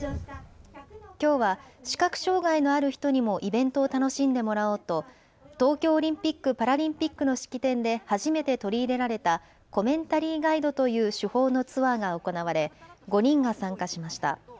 きょうは視覚障害のある人にもイベントを楽しんでもらおうと、東京オリンピック・パラリンピックの式典で初めて取り入れられた、コメンタリーガイドという手法のツアーが行われ、５人が参加しました。